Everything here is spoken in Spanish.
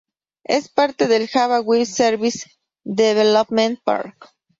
Es parte del "Java Web Services Development Pack".